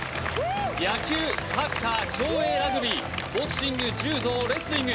野球サッカー競泳ラグビーボクシング柔道レスリング